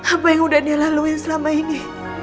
apa yang udah dia laluin selama ini